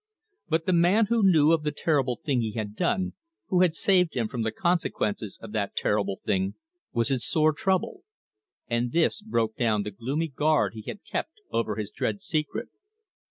But the man who knew of the terrible thing he had done, who had saved him from the consequences of that terrible thing, was in sore trouble, and this broke down the gloomy guard he had kept over his dread secret.